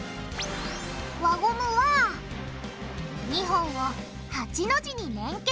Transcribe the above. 輪ゴムは２本を８の字に連結。